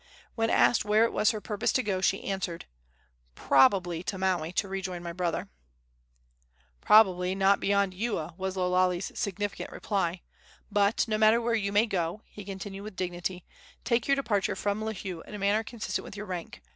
When asked where it was her purpose to go, she answered: "Probably to Maui, to rejoin my brother." "More probably not beyond Ewa," was Lo Lale's significant reply. "But, no matter where you may go," he continued, with dignity, "take your departure from Lihue in a manner consistent with your rank.